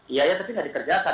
iya ya tapi nggak dikerjakan